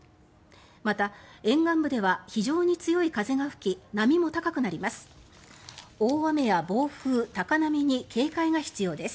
また、沿岸部では非常に強い風が吹き波も高くなります。